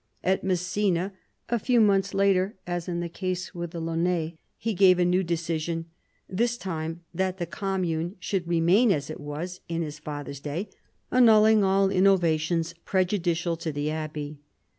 At Messina, a few months later, as in the case of the Laonnais, he gave a new decision — this time that the commune should remain as it was in his father's day, annulling all innovations prejudicial to the abbey.